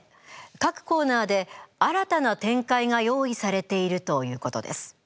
各コーナーで新たな展開が用意されているということです。